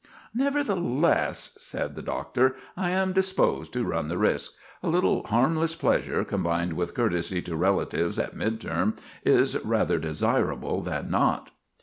"Nevertheless," said the Doctor, "I am disposed to run the risk. A little harmless pleasure combined with courtesy to relatives at mid term is rather desirable than not."